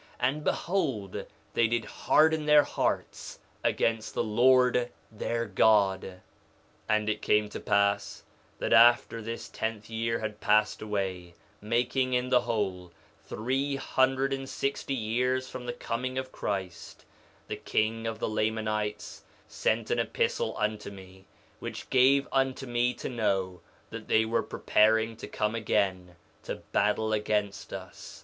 And behold they did harden their hearts against the Lord their God. 3:4 And it came to pass that after this tenth year had passed away, making, in the whole, three hundred and sixty years from the coming of Christ, the king of the Lamanites sent an epistle unto me, which gave unto me to know that they were preparing to come again to battle against us.